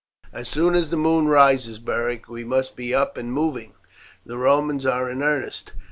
"As soon as the moon rises, Beric, we must be up and moving. The Romans are in earnest.